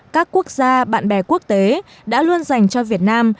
các quốc gia bạn bè quốc tế đã luôn dành cho việt nam